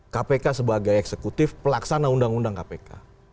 kpk sebagai eksekutif pelaksana undang undang kpk